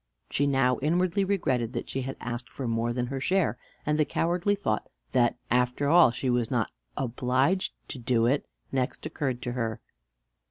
She now inwardly regretted that she had asked for more than her share; and the cowardly thought that after all she was not obliged to do it next occurred to her.